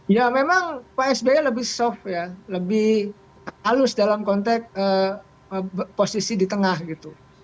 ya memang pak sby lebih soft ya lebih halus dalam konteks posisi di tengah gitu